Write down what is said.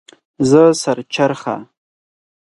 زه سر چرخه